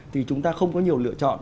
thì chúng ta không có nhiều lựa chọn